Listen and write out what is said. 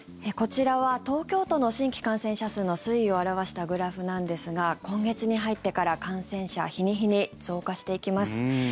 こちらは東京都の新規感染者数の推移を表したグラフなんですが今月に入ってから感染者日に日に増加していきます。